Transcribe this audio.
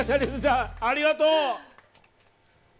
ありがとう！